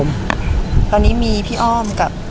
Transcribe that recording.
ภาษาสนิทยาลัยสุดท้าย